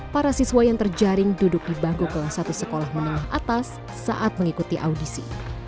para siswa yang terjaring duduk di bangku kelas satu sekolah menengah atas saat mengikuti audisi